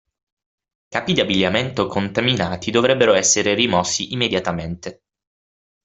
Capi di abbigliamento contaminati dovrebbero essere rimossi immediatamente.